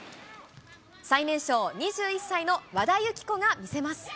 最年少、２１歳の和田由紀子が見せます。